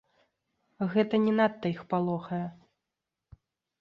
Гэта не надта іх палохае.